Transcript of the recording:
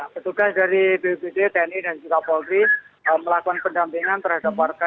petugas dari bpbd tni dan juga polri melakukan pendampingan terhadap warga